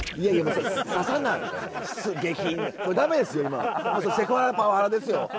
それセクハラパワハラですよ。